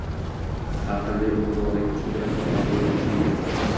Har qanday ulug‘vorlik, kuch-qudrat va hokimiyat nisbiydir.